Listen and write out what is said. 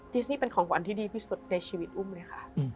ที่นี่เป็นของขวัญที่ดีที่สุดในชีวิตอุ้มเลยค่ะ